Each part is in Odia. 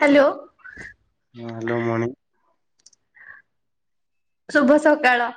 ହ୍ୟାଲୋ ହଁ ହ୍ୟାଲୋ ମଣିଂ। ଶୁଭ ସକାଳ।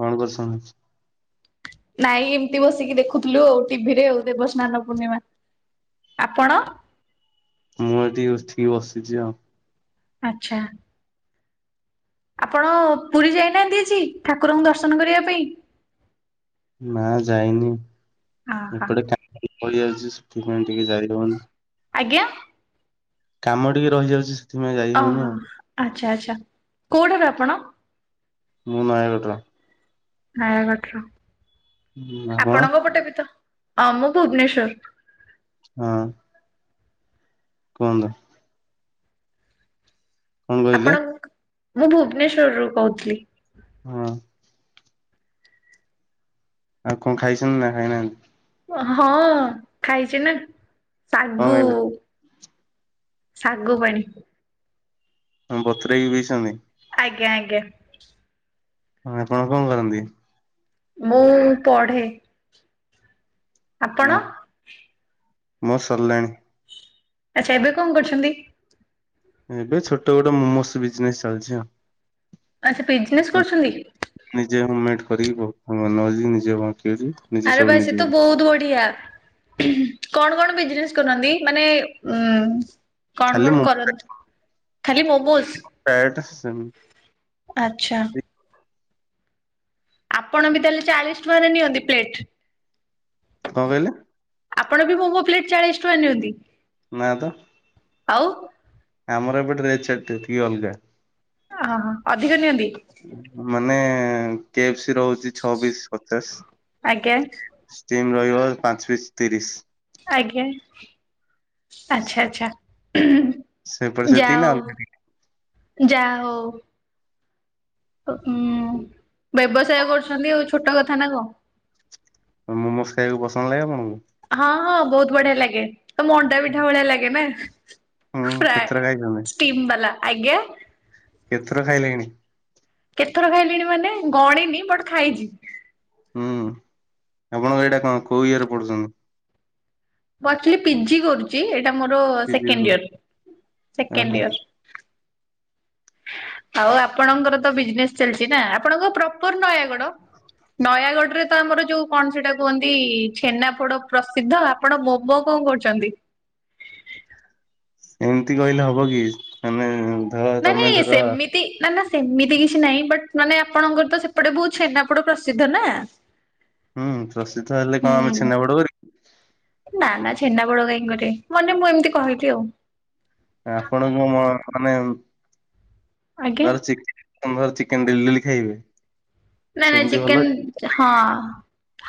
କଣ କରୁଚୁ ସାଙ୍ଗ? ନାଇଁ ଏମତି ବସିକି ଦେଖୁଥିଲୁ ଆଉ ଟିଭିରେ ଆଉ ଦେବସ୍ନାନ ପୂର୍ଣ୍ଣିମା। ଆପଣ? ମୁଁ ଏଠି ଉଠିକି ବସିଛି ଆଉ। ଆଚ୍ଛା। ଆପଣ ପୁରୀ ଯାଇନାହାଁନ୍ତି ଆଜି, ଠାକୁରଙ୍କୁ ଦର୍ଶନ କରିବା ପାଇଁ? ନା ଯାଇନି। ଅହ। ଏପଟେ [unintelligible] ପଳେଇ ଆଇଚି ସେଥିପାଇଁ ଟିକେ ଯାଇ ହଉନି। ଆଜ୍ଞା? କାମ ଟିକେ ରହିଯାଉଛି। ସେଥିପାଇଁ ଯାଇ ହଉନି ଓହୋ। ଆଉ ଆଚ୍ଛା ଆଚ୍ଛା। କୋଉଠାରୁ ଆପଣ? ମୁଁ ନୟାଗଡ଼ର। ନୟାଗଡ଼ର। ହୁଁ, ଆପଣ ଆପଣଙ୍କ ପଟେ ବି ତ ହଁ ମୁଁ ଭୁବନେଶ୍ଵର। ହଁ। କୁହନ୍ତୁ? କଣ ଆପଣ କହିଲେ? ମୁଁ ଭୁବନେଶ୍ଵରରୁ କହୁଥିଲି। ହଁ। ଆଉ କଣ ଖାଇଛନ୍ତି ନା ଖାଇନାହାଁନ୍ତି? ହଁ, ଖାଇଛି ନା କଣ ଶାଗୁ। ଖାଇବେ ଶାଗୁ ପାଣି। କଣ ବତୁରେଇକି ପିଇଛନ୍ତି? ଆଜ୍ଞା ଆଜ୍ଞା। ହଁ ଆପଣ କଣ କରନ୍ତି? ମୁଁ ପଢ଼େ। ଆପଣ? ମୋ ସରିଲାଣି। ଆଚ୍ଛା। ଏବେ କଣ କରୁଛନ୍ତି? ଏବେ ଛୋଟ ଗୋଟେ ମୋମୋସ୍ ବିଜନେସ ଚାଲିଛି ଆଉ। ଆଚ୍ଛା। ବିଜିନେସ୍ କରୁଛନ୍ତି କି? ନିଜେ ହୋମମେଡ୍ କରିକି ମୋମୋ ବନଉଚି ନିଜେ [unintelligible] ନିଜେ ଆରେ ସବୁ ବା ସେ ନିଜେ ତ ବହୁତ ବଢିଆ। କଣ କଣ ବିଜନେସ୍ କରନ୍ତି? ମାନେ ଉମ୍ କଣ ଖାଲି କଣ କରନ୍ତି? ଖାଲି ମୋମୋସ୍? ପ୍ରାୟ ଏଟା ଆଚ୍ଛା। ସେମତି ଆପଣ ବି ତାହେଲେ ଚାଳିଶ ଟଙ୍କାରେ ନିଅନ୍ତି ପ୍ଲେଟ୍? କଣ କହିଲେ? ଆପଣ ବି ମୋମୋ ପ୍ଲେଟ ଚାଳିଶ ଟଙ୍କା ନିଅନ୍ତି? ନା ତ। ଆଉ? ଆମର ଏବେ [unintelligible] ଟିକେ ଅଲଗା। ହଁ ହଁ ହଁ। ଅଧିକ ନିଅନ୍ତି? ମାନେ କେ ଏଫ୍ ସି ରହୁଛି, ଛଅ ପିସ୍ ପଚାଶ ଆଜ୍ଞା। ଷ୍ଟିମ୍ ରହିବ ପାଞ୍ଚ ପିସ୍ ତିରିଶ। ଆଜ୍ଞା। ଆଚ୍ଛା ଆଚ୍ଛା। ସେପଟେ ହୁଁ ସେତିକି ନା ଯାହଉ ଅଲଗା ଯାହଉ। ଓ ଉଁ ବ୍ୟବସାୟ କରୁଛନ୍ତି ଆଉ, ଛୋଟ କଥା ନା କଣ? ଆଉ ମୋମୋସ୍ ଖାଇବାକୁ ପସନ୍ଦ ଲାଗେ ଆପଣଙ୍କୁ? ହଁ ହଁ ବହୁତ ବଢିଆ ଲାଗେ ତ ମଣ୍ଡା ପିଠା ଭଳିଆ ଲାଗେ ନା। ହୁଁ କେତେଥର ଫ୍ରାୟ ଖାଇଛନ୍ତି ଷ୍ଟିମ୍ ବାଲା ।ଆଜ୍ଞା? କେତେଥର ଖାଇଲେଣି? କେତେଥର ଖାଇଲିଣି ମାନେ ଗଣିନି ବଟ୍ ଖାଇଛି। ହୁଁ ଆପଣଙ୍କ ଏଇଟା କଣ କୋଉ ଇଏ ରେ ପଢୁଛନ୍ତି? ମୁଁ ଆକ୍ଚୁଲି ପିଜି କରୁଚି। ଏ ଟା ମୋର ସେକେଣ୍ଡ୍ ଓହୋ ୟିଅର ସେକେଣ୍ଡ୍ ୟିଅର। ଆଉ ଆପଣଙ୍କର ତ ବିଜନେସ୍ ଚାଲିଛି ନା ଆପଣଙ୍କ ପ୍ରପର ନୟାଗଡ? ନୟାଗଡ ରେ ତ ଆମର ଯୋଉ କଣ ସେଟା କୁହନ୍ତି ଛେନାପୋଡ ପ୍ରସିଦ୍ଧ ଆପଣ ମୋମୋ କଣ କଣ କରୁଛନ୍ତି? ଏମିତି କହିଲେ ହବ କି ମାନେ ଧର ନାଇଁ ତମେ ନାଇଁ ଧର ସେମିତି ନା ନା ସେମିତି କିଛି ନାହିଁ ବଟ୍ ମାନେ ଆପଣଙ୍କର ତ ସେପଟେ ବହୁତ ଛେନାପୋଡ ପ୍ରସିଦ୍ଧ ନା? ହୁଁ ପ୍ରସିଦ୍ଧ ହେଲେ କଣ ଆମେ ହୁଁ। ଛେନାପୋଡ କରିବୁ? ବଡ଼ ଗାଈଙ୍କରେ ମନେ ମୁଁ ଏମିତି କହିବି ଆଉ। ଆପଣ ମୁଁ ମାନେ ଆଜ୍ଞା। ଧର ଚି ତମର ଚିକେନ ଡେଲି ଡେଲି ଖାଇବେ? ନାଇଁ ନାଇଁ ସେମିତି ଭଲ ଚିକେନ ହଁ।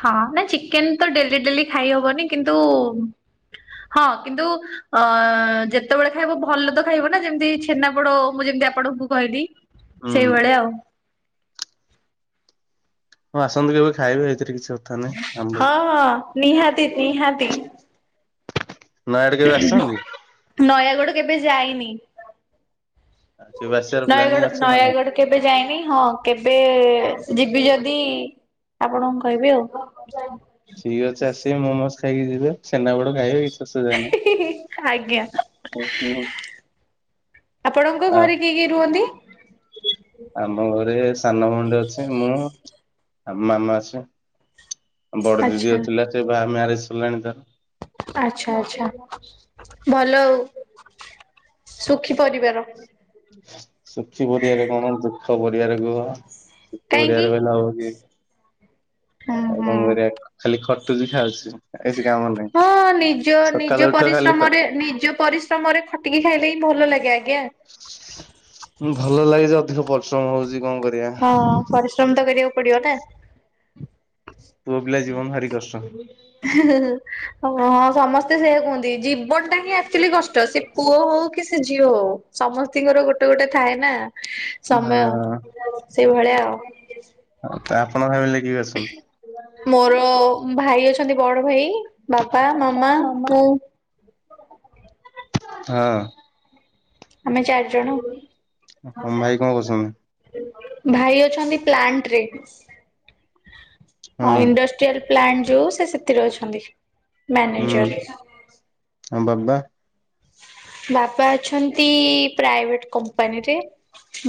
ହଁ ନାଇଁ ଚିକେନ ତ ଡେଲି ଡେଲି ଖାଇ ହବନି। କିନ୍ତୁ ହଁ କିନ୍ତୁ ଅ ଯେତେବେଳେ ଖାଇବ ଭଲ ତ ଖାଇବ ନା ଯେମିତି ଛେନାପୋଡ ମୁଁ ଯେମି ତି ଆପଣଙ୍କୁ କହିଲି ହୁଁ ସେଇଭଳିଆ ଆଉ। ହଁ ଆସନ୍ତୁ କେବେ ଖାଇବେ ଏଥିରେ କିଛି ଅ ହଁ ହଁ ନିହାତି ନିହାତି। ନୟାଗଡ଼ କେବେ ଆସିଛନ୍ତି? ନୟାଗଡ କେବେ ଯାଇନି? କେବେ ଆସିବାର ପ୍ଲାନିଂ ନୟାଗଡ ଅଛି ନା ନାଇଁ? ନୟାଗଡ କେବେ ଯାଇନି ହଁ କେବେ ଯି ବି ଯଦି ଆପଣଙ୍କୁ କହିବି ଆଉ। ଠିକ୍ ଅଛି ଆସିବେ ମୁଁ ମୋମୋସ୍ ଖାଇକି ଯିବେ ଛେନା ପୋଡ଼ ଖାଇବେ କି ସେ ଆଜ୍ଞା। ଜାଣିନି ଆପଣଙ୍କ ଘରେ କିଏ କିଏ ରୁହନ୍ତି? ଆମ ଘରେ ସାନ ଭଉଣୀଟେ ଅଛି ମୁଁ ଆଉ ମାମା ଅଛି। ବଡ ଦିଦି ଆଚ୍ଛା ଅ ଥିଲା ସେ ବାହା ମ୍ୟାରେଜ ସରିଲାଣି ତାର। ଆଚ୍ଛା ଆଚ୍ଛା ଭଲ ଆଉ। ସୁଖୀ ପରିବାର। ସୁଖୀ ପରିବାରେ କଣ ଦୁଃଖ ପରିବାରେ କୁହ? କାହିଁକି? ଓଡିଆରେ କହିଲେ ହବକି ହୁଁ ଆଉ ହୁଁ। କଣ କରିବା ଖାଲି ଖ ବି ଖାଉଛି। ଆଉ କିଛି କାମ ନାହିଁ। ହଁ ନିଜ ସକାଳୁ ନିଜ ଉଠ ଖାଲି ଖଟ ପରିଶ୍ରମରେ ନିଜ ପରିଶ୍ରମରେ ଖଟିକି ଖାଇଲେ ଭଲ ଲାଗେ ଆଜ୍ଞା। ଭଲ ଲାଗେ ଯେ ଅଧିକ ପରିଶ୍ରମ ହଉଛି। କଣ କରିବା ହଁ ପରିଶ୍ରମ ତ କରିବାକୁ ପଡିବ ନା? ପୁଅ ପିଲା ଜୀବନ ଭାରି କଷ୍ଟ। ଓ ହଁ ସମସ୍ତେ ସେଇଆ କୁହନ୍ତି ଜୀବନ ଟା ହିଁ ଆକ୍ଚୁଲି କଷ୍ଟ ସେ ପୁଅ ହଉ କି ସେ ଝିଅ ହଉ ସମସ୍ତିଙ୍କର ଗୋଟେ ଗୋଟେ ଥାଏ ନା। ସମୟ ସେଇଭଳିଆ ଆଉ। ହଁ ତ ଆପଣ ଭାବିଲେ କି ମୋର ଭାଇ ଅଛନ୍ତି ବଡ ଭାଇ। ବାପା, ମାମା, ମୁଁ। ହଁ। ଆମେ ଚାରି ଜଣ ଆଉ। ତମ ଭାଇ କଣ କରୁଛନ୍ତି? ଭାଇ ଅଛନ୍ତି ପ୍ଲାଣ୍ଟ ରେ ହଁ ହଁ ଇଣ୍ଡଷ୍ଟ୍ରିଆଲ୍ ପ୍ଲାଣ୍ଟ। ଯୋଉ ସେ ସେଥିରେ ଅଛନ୍ତି ହୁଁ ମ୍ୟାନେଜର। ଆଉ ବାବା ବାପା ଅଛନ୍ତି ପ୍ରାଇଭେଟ କମ୍ପାନୀରେ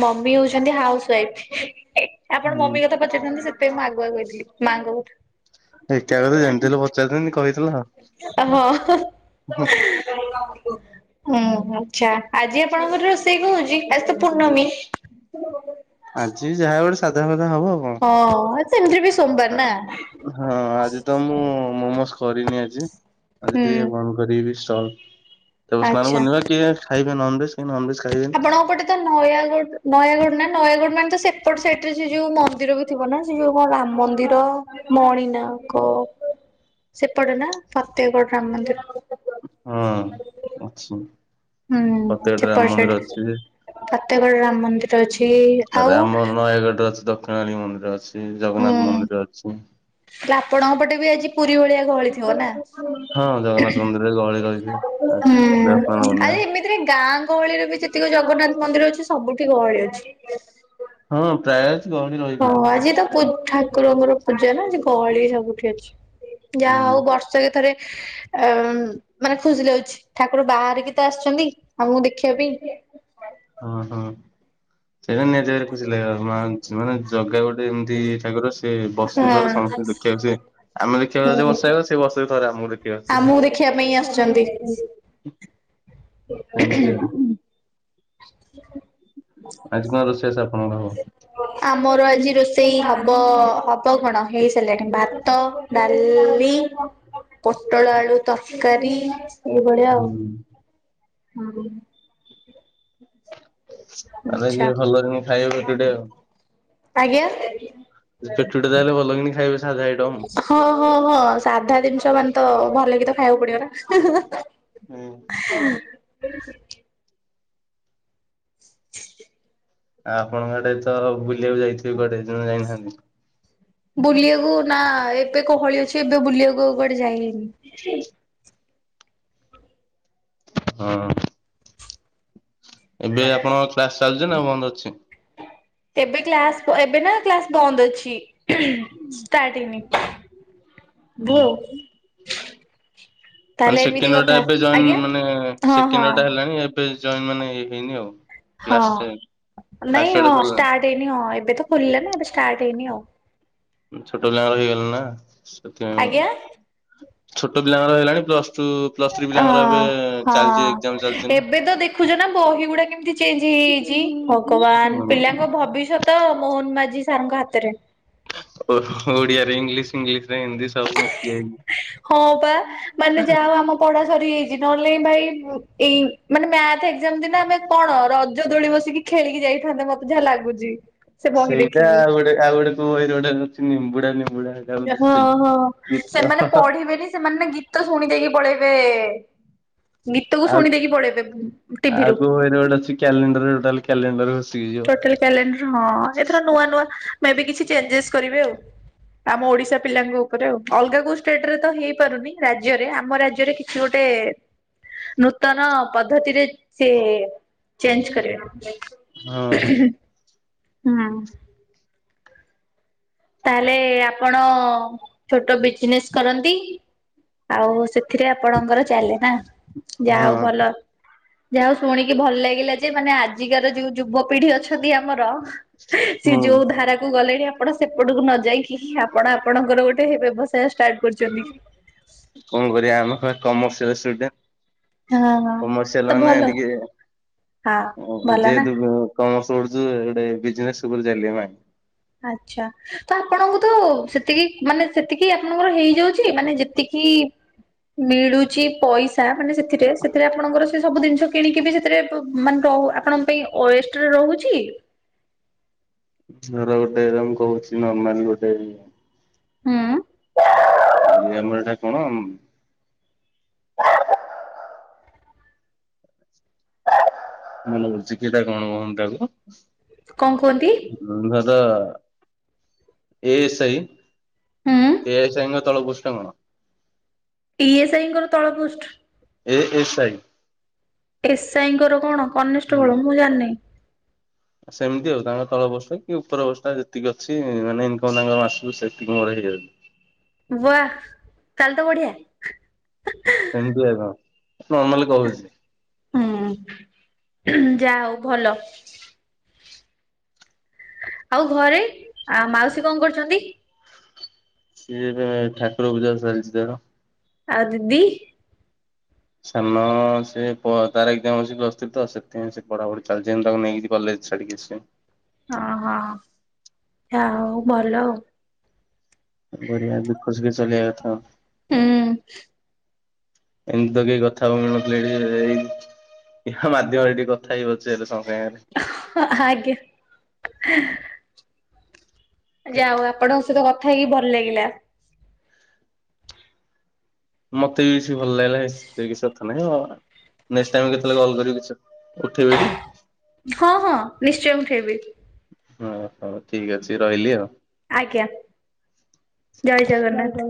ମମି ହଉଛନ୍ତି ହାଉସ ୱାଇଫ୍। ଆପଣ ହୁଁ ମମି କଥା ପଚାରିଥାନ୍ତେ ସେଥିପାଇଁ ମୁଁ ଆଗୁଆ କହିଦେଲି ମାଆଙ୍କ ଏକା କଥା ଜେମିତି ହେଲେ ପଚାରିଥାନ୍ତି କହିଦେଲ ହଁ। ଆଉ। ଓ ହୋ ଆଛା ଆଜି ଆପଣଙ୍କର ରୋସେ ସେଇ କହୁଛି ଆଜି ତ ପୂର୍ଣ୍ଣମୀ। ଆଜି ବି ଯାହା ଗୋଟେ ସାଧା ମାଧା ହବ ଆଉ କଣ? ହଁ ସେମିତିରେ ବି ସୋମବାର ନା ହଁ ଆଜି ତ ମୁଁ ମୋମୋଜ କରିନି ଆଜି। ଆଜି ହୁଁ ଟିକେ ବନ୍ଦ କରିବି ଷ୍ଟଲ ତାପରେ ସ୍ନାନ ପୂର୍ଣ୍ଣିମା କିଏ ଖାଇବେ ନନଭେଜ୍ କି ନନଭେଜ ଖାଇବେନି। ଆପଣଙ୍କପଟେ ତ ନୟାଗଡ ନୟାଗଡ ନା ନୟାଗଡ ମାନେ ତ ସେପଟ ସେଇଟ୍ ରେ ସେ ଯୋଉ ମନ୍ଦିର ବି ଥିବ ନା ସେ ଯୋଉ କଣ ରାମ ମନ୍ଦିର ମଣିନାଆକ ସେପଟେ ନା ପ୍ରତ୍ୟେକ ଗଡ ରାମ ମନ୍ଦିର। ହଁ ଅଛି ହୁଁ ଫତେଗଡ [unintelligible] ରାମ ମନ୍ଦିର ଅଛି ଯେ ପ୍ରତ୍ୟେକଡ ରାମ ମନ୍ଦିର ଅଛି ତାପରେ ହାଉ ଆମ ଅଛି ନୟାଗଡ଼ରେ ଦକ୍ଷିଣାଳୀ ମନ୍ଦିର ଅଛି ଜଗନ୍ନାଥ ମନ୍ଦିର ଅଛି। ହେଲେ ଆପଣଙ୍କ ପଟେ [unintelligible] ଭଳିଆ ଗହଳି ଥିବ ନା? ହଁ ଜଗନ୍ନାଥ ମନ୍ଦିରରେ ଗହଳି ରହିବେ ଆଜି ହୁଁ ଦେବସ୍ନାନ ପୂର୍ଣ୍ଣିମା। ଆରେ ଏମିତିରେ ଗାଁ ଗହଳିରେ ବି ଯେତିକି ଜଗନ୍ନାଥ ମନ୍ଦିର ଅଛି ସବୁଠି ଗହଳି ଅଛି। ହଁ ପ୍ରାୟ ଅଛି ଗହଳି ହଁ ରହିବ। ଆଜି ତ ଠାକୁରଙ୍କର ପୂଜା ନା ଗହଳି ସବୁଠି ଅଛି ଯାହା ହୁଁ ହଉ ବର୍ଷକେ ଥରେ [inaudible] ଅ ମାନେ ଖୁସି ଲାଉଛି ଠାକୁର ବାହାରିକି ତ ଆସିଛନ୍ତି ଆମକୁ ଦେଖିବା ପାଇଁ। ହଁ ହଁ ସେଇପା [unintelligible] ଏମିତି ଠାକୁର ସେ ବର୍ଷକୁ ହଁ ଥରେ ସମସ୍ତେ ଦେଖିବାକୁ ଚାହିବେ ଆମେ ଦେଖିବାକୁ ହୁଁ ବର୍ଷେ ହେ ସେ ବର୍ଷକୁ ଥରେ ଆମ ତମର ଗୋଟେ କିଏ ଆସିଛି ହାରି? ଆମକୁ ଦେଖିବା ପାଇଁ ଆସିଛନ୍ତି। ଏମଟି ଆଉ [inaudible] ଆଜି କଣ ରୋଷେଇବାସ ଆପଣଙ୍କର ହବ? ଆମର ଆଜି ରୋଷେଇ ହବ ହବ କଣ? ହେଇ ସାରିଲାଣି ଭାତ ଡ଼ାଲି। ପୋଟଳ ଆଳୁ ତରକାରୀ। ସେଇ ବଳିଆ ଆଉ ହୁଁ ହ ଆମେ ଆଚ୍ଛା ଯଦି ଭଲ ରେ ଖାଇବା ପେଟକୁ ଟିକେ ଆଉ ଆଜ୍ଞା। ପେଟ ଟା ତାହେଲେ ଭଲ କିନି ଖାଇବେ ସାଧା ଆଇଟମ୍। ହଁ ହଁ ହଁ ସାଧା ଜିନିଷ ମାନେ ତ ଭଲ କି ତ ଖାଇବାକୁ ପଡ଼ିବ ନା। ହୁଁ। [inaudible] ଆ ଆପଣଙ୍କ ଆଡେ ତ ବୁଲିବାକୁ ଯାଇଥିବେ କୁଆଡେ ଜମ୍ହା ଯାଇନାହାନ୍ତି? ବୁଲିବାକୁ ନା ଏବେ ଗହଳି ଅଛି ଏବେ ବୁଲିବାକୁ କୁଆଡ଼େ ଯାଇନି। ହଁ ଏବେ ଆପଣଙ୍କ କ୍ଲାସ ଚାଲିଛି ନା ବନ୍ଦ ଅଛି? ଏବେ କ୍ଲାସ ଏବେ ନା କ୍ଲାସ ବନ୍ଦ ଅଛି। ଟି ଷ୍ଟାର୍ଟ ହେଇନି ଭୁ ଆଉ। ମାନେ ତାହେଲେ ସେକେଣ୍ଡ ଏମିତି ଇୟର ଟା କଥା ଏବେ ଜଏନ୍ ଆଜ୍ଞା ମାନେ ହଁ ସେକେଣ୍ଡ ହଁ। ଇୟର ଟା ହେଲାଣି ଏବେ ଜଏନ୍ ମାନେ ହେଇନି ଆଉ। ହଁ କ୍ଲାସ ଫାଷ୍ଟ ନାଇଁ ଇୟର ଟା ହଁ ସରିଲାଣି ଷ୍ଟାର୍ଟ ହେଇନି ହଁ ଏବେ ତ ଖୋଲିଲା ନା ଏବେ ଷ୍ଟା ହେଇନି ଆଉ। ଛୋଟ ପିଲାଙ୍କର ହେଇଗଲାଣି ନା ଆଜ୍ଞା। ସେଥିପାଇଁ ଛୋଟ ପିଲାଙ୍କର ହେଲାଣି ପ୍ଲସ୍ ହଁ ଏକ୍ଜାମ ହଁ ଚାଲିଛି ନା। ଏବେ ତ ଦେଖୁଛ ନା ବହି ଗୁଡ଼ା କେମିତି ଚେଞ୍ଜ ହେଇ ହେଇଛି ଭଗବାନ ପିଲାଙ୍କ ଭବିଷ୍ୟତ ମୋହନ ମାଝି ସାରଙ୍କ ହାତରେ। ଓ ଓଡିଆରେ ଇଂଲିଶ ଇଂଲିଶରେ ହିନ୍ଦୀ ସବୁ ମିଶିଯାଇଚି। ହଁ ପା ମାନେ ଯାହା ଆମ ପଢା ସରିଯାଇଛି ନହେଲେ ଭାଇ ଏଇ ମାନେ ମ୍ୟା ଏକ୍ସଜାମ ଦିନ ଆମେ କଣ ରଜ ଦୋଳି ବସିକି ଖେଳିକି ଯାଇଥାନ୍ତେ ମତେ ଯାହା ଲାଗୁଛି। ସେ ବହି ସେଇଟା ଦେଖିକି। ଆଉ ଗୋଟେ ଆଉ ଗୋଟେ କୁହ ଗୋଟେ ଅଛି ନିମ୍ବୁଡ଼ା ନିମ୍ବୁ ହଁ ହଁ ସେମାନେ ପଢ଼ିବେନି ସେମାନେ ଗୀତ ଶୁଣି ଦେଇକି ପଳେଇବେ। ଗୀତକୁ ଶୁଣି ଆଉ ଦେଇକି ପଳେଇବେ ଟିଭିରୁ ଆଉ କଉ ହେଇଟି ଗୋଟେ ଅଛି କ୍ୟାଲେଣ୍ଡରୋଟା କ୍ୟାଲେଣ୍ଡର ଅ ଟୋଟାଲି କ୍ୟାଲେଣ୍ଡର ହଁ ଏଥର ନୂଆ ନୂଆ ମେ ବି କିଛି ଚେଞ୍ଜେସ୍ କରିବେ ଆଉ। ଆମ ଓଡିଶା ପିଲାଙ୍କ ଉପରେ ଆଉ ଅଲଗା କୋଉ ଷ୍ଟେଟ ରେ ତ ହେଇପାରୁନି ରାଜ୍ୟରେ ଆମ ରାଜ୍ୟରେ କିଛି ଗୋଟେ ଟେ ନୂତନ ପଦ୍ଧତିରେ ସେ ଚେଞ୍ଜ କରିବେ। ହଁ। ହୁଁ। ତାହେଲେ ଆପଣ ଛୋଟ ବିଜନେସ୍ କରନ୍ତି ଆଉ ସେ ଏଥିରେ ଆପଣଙ୍କର ଚାଲେ ନା ଯା ହଁ ହଉ ଭଲ। ଯାହାଉ ଶୁଣିକି ଭଲ ଲାଗିଲା ଯେ ମାନେ ଆଜିକାର ଯୋଉ ଯୁବପିଢ଼ି ଅଛନ୍ତି ଆ ଆମର ସେ ହୁଁ ଯୋଉ ଧାରାକୁ ଗଲେଣି। ଆପଣ ସେପଟକୁ ନ ଯାଇକି ଆପଣ ଆପଣଙ୍କର ଗୋଟେ ବ୍ୟବସାୟ ଷ୍ଟା କଣ କରିବା ଆମ କମସିଆଟ ସେଇଟା ହଁ ହଁ କମର୍ସିଆଲ ତ ମାନେ ଭଲ ଟିକେ ହଁ ଭଲ ନା। ଯେହେତୁ ଉ କମ ପଢ଼ୁଛୁ ଏଇ ବିଜିନେସ ଉପରେ ଚାଲିବ ନା ଆଚ୍ଛା ତ ଆପଣଙ୍କୁ ତ ସେତିକି ମାନେ ସେତିକି ଆପଣଙ୍କର ହେଇଯାଉଛି ମାନେ ଯେତିକି କି? ମିଳୁଛି ପଇସା ମାନେ ସେଥିରେ ସେଥିରେ ଆପଣଙ୍କର ସେ ସବୁ ଜିନିଷ କିଣିକି ବି ସେଥିରେ ମାନେ କହୁ ଆପଣଙ୍କ ପାଇଁ ଓଏଷ୍ଟରେ ରହୁଛି ତର ଗୋଟେ ମୁ କହୁଛି ନର୍ମାଲ ଗୋଟେ ହୁଁ। ଆମର ଏଟା କଣ? ମନେ କରୁଛି କିଟା କଣ ହୁଅନ୍ତା କ କଣ କୁହନ୍ତି ହେଟା ଉଁ ଏ ସାଇ ହୁଁ ସିଏ [unintelligible] ତଳ ପୁଷ୍ଟ କଣ? ଇଏସ୍ଆଇଙ୍କର ତଳ post. A S I. SI ଙ୍କର କଣ ହୁଁ କନେଷ୍ଟବଳ ମୁଁ ଜାଣିନି। ସେମିତି ଆଉ ତାଙ୍କ ତଳପୋଷ୍ଟ କି ଉପରପୋଷ୍ଟ ଯେତିକି ଅଛି। ମାନେ ଇନକମ ତାଙ୍କର ମାସକୁ ସେତିକି ମୋର ହେଇ ଦିଆଯାଉଛି। ବା ତାହେଲେ ତ ବଢିଆ। ସେମିତି କା ମୁଁ ନର୍ମାଲରେ କହୁଛି। ହୁଁ ଯା ହଉ ଭଲ। ଆଉ ଘରେ ଆ ମାଉସୀ କଣ କରୁଛନ୍ତି? ସିଏ ଏବେ ଠାକୁର ପୂଜା ଚାଲିଛି ତାର। ଆଉ ଦିଦି? ସାନ ସେ ତାର ଏକ୍ସାମ ଅଛି ପ୍ଲସ ଥ୍ରୀ ତ ସେଥିପାଇଁ ପଢ଼ାପଢ଼ି ଚାଲିଛି। ମୁଁ ତାକୁ ନେଇକି କଲେଜ୍ ଛାଡିକି ଆସିବି। ହଁ ହଁ ହଉ ଭଲ ଆଉ। ବଢିଆ ଦୁଃଖ ସୁଖେ ଚଲେଇଆ କଥା ଆଉ। ହୁଁ ଏମିତି ତ କେହି କଥା ହେବାକୁ ମିଳୁନଥିଲେ ଏଇଠି। ଇଏ ମାଧ୍ୟମରେ ଟିକେ କଥା ହେଇ ପାରୁଛେ ହେଲେ ସମସ୍ ଅଜ୍ଞା। ଯା ଆଉ ଆପଣଙ୍କ ସହିତ କଥା ହେଇକି ଭଲ ଲାଗିଲା। ମତେ ବି ବେଶି ଭଲ ଲାଗିଲା କିଛି କଥା ନାହିଁ। ନେକ୍ସଟ୍ ଟାଇମ୍ କେତେବେଳେ କଲ କରିବି। ଉଠେଇବି ଟି? ହଁ ହଁ ନିଶ୍ଚୟ ଉଠେଇବି। ଓ ହଉ ଠିକ ଅଛି ରହିଲି ଆଉ। ଆଜ୍ଞା। ଜୟ ଜଗନ୍ନାଥ।